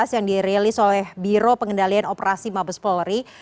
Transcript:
yang dirilis oleh biro pengendalian operasi mabes polri